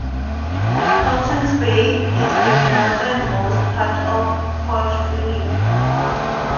Hobsons Bay is the northernmost part of Port Phillip.